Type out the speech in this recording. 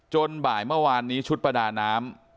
บ่ายเมื่อวานนี้ชุดประดาน้ำ